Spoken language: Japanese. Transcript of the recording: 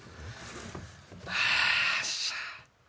おっしゃ。